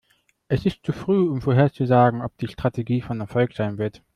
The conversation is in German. Es ist zu früh, um vorherzusagen, ob die Strategie von Erfolg sein wird.